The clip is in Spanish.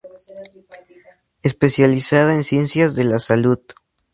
Especializada en ciencias de la salud.